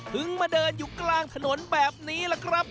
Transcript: มาเดินอยู่กลางถนนแบบนี้ล่ะครับ